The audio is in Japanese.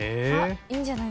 いいんじゃない。